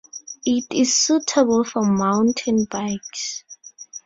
It is suitable for mountain bikes.